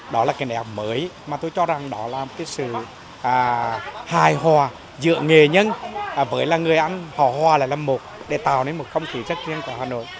đó là cái đẹp mới mà tôi cho rằng đó là một cái sự hài hòa giữa nghệ nhân với người ăn hòa lại là một để tạo nên một công thức rất riêng của hà nội